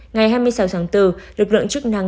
ngày hai mươi sáu tháng bốn lực lượng chức năng